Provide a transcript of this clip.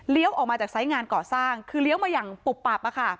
เลี้ยวออกมาจากทรายงานก่อสร้างเลี้ยวมาอย่างปุบปับ